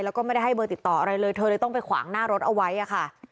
แล้วก็ไม่ได้ให้เบอร์ติดต่ออะไรเลยเธอเลยต้องไปขวางหน้ารถเอาไว้อะค่ะ